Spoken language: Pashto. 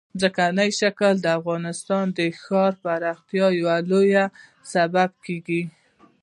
ځمکنی شکل د افغانستان د ښاري پراختیا یو لوی سبب کېږي.